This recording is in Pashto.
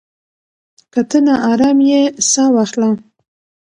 که ته ناارام يې، ساه واخله.